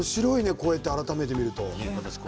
こうやって改めて見ると。